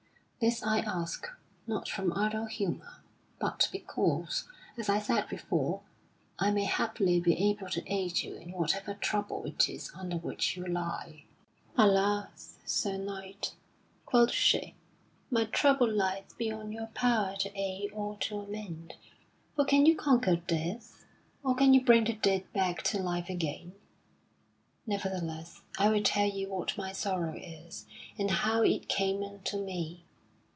This I ask, not from idle humor, but because, as I said before, I may haply be able to aid you in whatever trouble it is under which you lie." [Sidenote: The Lady telleth Sir Tristram of Sir Nabon le Noir] "Alas, Sir Knight!" quoth she, "my trouble lieth beyond your power to aid or to amend. For can you conquer death, or can you bring the dead back to life again? Nevertheless, I will tell you what my sorrow is, and how it came unto me.